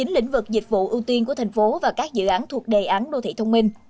chín lĩnh vực dịch vụ ưu tiên của thành phố và các dự án thuộc đề án đô thị thông minh